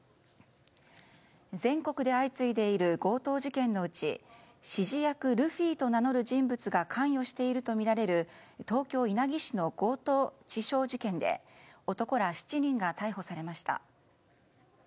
全国で相次いでいる強盗事件のうち指示役ルフィと名乗る人物が関与してるとみられる東京・稲城市の強盗致傷事件で男ら７人が逮捕されました。